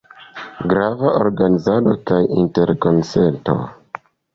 Gravas organizado kaj interkonsento.